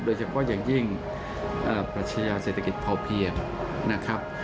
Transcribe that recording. โดยเฉพาะอย่างยิ่งปัชญาเศรษฐกิจพอเพียงนะครับ